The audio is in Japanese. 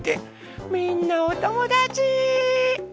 みんなおともだち。